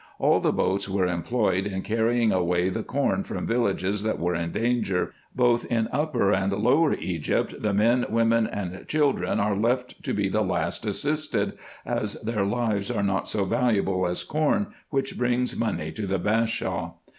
All the boats were employed in carrying away the corn from villages that were in danger. Both in Upper and Lower Egypt the men, women, and children are left to be the last assisted, as their lives are not so valuable as corn, which brings money to the Bashaw.